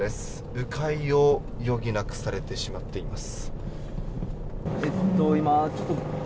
迂回を余儀なくされてしまっています。